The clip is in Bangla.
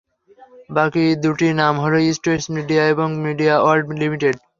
বাকি দুটি নাম হলো ইস্ট ওয়েস্ট মিডিয়া এবং মিডিয়া ওয়ার্ল্ড লিমিটেড।